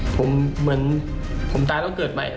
ผมเหมือนผมตายแล้วเกิดใหม่